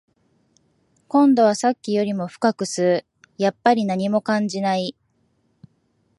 今度はさっきよりも深く吸う、やっぱり何も感じない